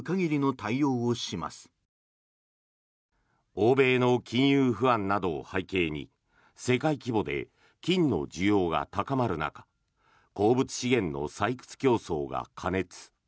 欧米の金融不安などを背景に世界規模で金の需要が高まる中鉱物資源の採掘競争が過熱。